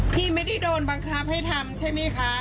พี่ไม่ได้โดนบังคับให้ทำใช่ไหมคะ